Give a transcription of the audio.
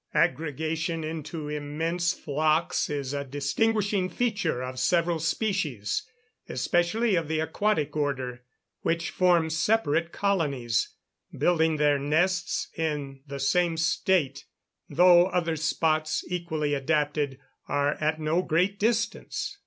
Aggregation into immense flocks is a distinguishing feature of several species, especially of the aquatic order, which form separate colonies, building their nests in the same state, though other spots equally adapted are at no great distance.